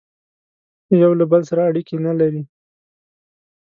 یوه له بل سره اړیکي نه لري